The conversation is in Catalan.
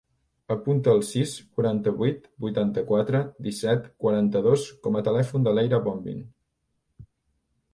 Apunta el sis, quaranta-vuit, vuitanta-quatre, disset, quaranta-dos com a telèfon de l'Eira Bombin.